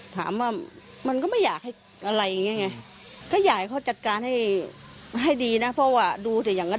ถามว่ามันก็ไม่อยากให้อะไรอย่างเนี้ยไง